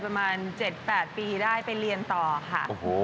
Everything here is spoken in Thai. ประมาณ๗๘ปีได้ไปเรียนต่อค่ะ